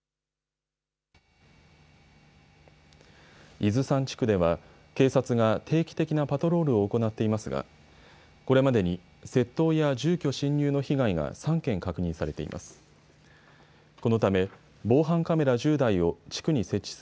伊豆山地区では、警察が定期的なパトロールを行っていますがこれまでに窃盗や住居侵入の被害が３件確認されています。